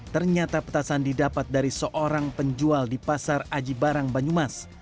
ternyata petasan didapat dari seorang penjual di pasar aji barang banyumas